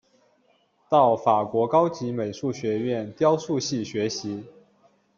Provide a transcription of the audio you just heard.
到法国高级美术学院雕塑系学习。